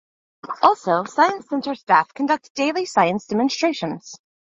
Also, Science Center staff conduct daily science demonstrations.